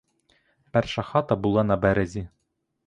Перша хата була на березі.